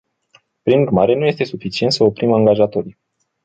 Prin urmare, nu este suficient să oprim angajatorii.